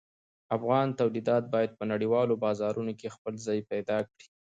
افغان تولیدات باید په نړیوالو بازارونو کې خپل ځای پیدا کړي.